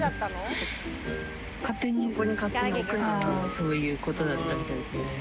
そういうことだったみたいですね